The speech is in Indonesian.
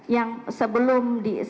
yang sebelum di